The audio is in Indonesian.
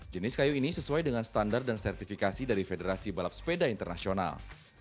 jenis kayu ini sesuai dengan standar dan sertifikasi dari federasi balap sepeda internasional